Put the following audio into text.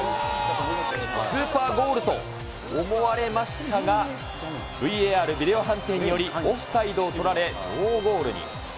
スーパーゴールと思われましたが、ＶＡＲ・ビデオ判定により、オフサイドを取られ、ノーゴールに。